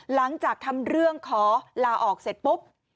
หลังจากทำเรื่องขอลาออกเสร็จปุ๊บ